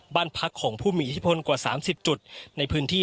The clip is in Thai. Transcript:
บ้านพักของผู้มีอิทธิพลกว่า๓๐จุดในพื้นที่